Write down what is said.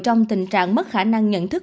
trong tình trạng mất khả năng nhận thức